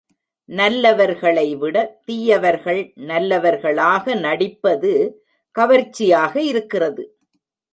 நல்லவர்களைவிட தீயவர்கள் நல்லவர்களாக நடிப்பது, கவர்ச்சியாக இருக்கிறது.